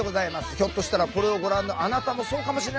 ひょっとしたらこれをご覧のあなたもそうかもしれない！